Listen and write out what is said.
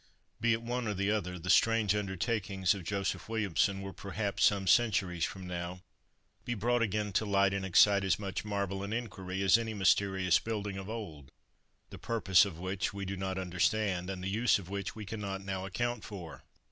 Be it one or the other, the strange undertakings of Joseph Williamson will perhaps, some centuries from now, be brought again to light, and excite as much marvel and inquiry as any mysterious building of old, the purpose of which we do not understand, and the use of which we cannot now account for.